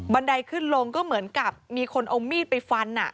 ไดขึ้นลงก็เหมือนกับมีคนเอามีดไปฟัน